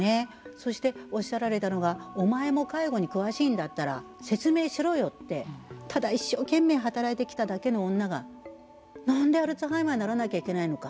そして、おっしゃっられたのがお前も介護に詳しいんだったら説明しろよってただ一生懸命働いてきただけの女がなんでアルツハイマーにならないといけないのか。